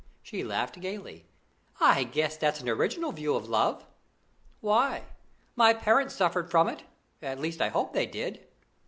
She laughed gaily. "I guess that's an original view of love." "Why? My parents suffered from it: at least, I hope they did."